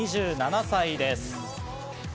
２７歳です。